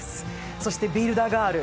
そして「ビルド・ア・ガール」。